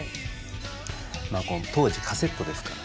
当時カセットですから。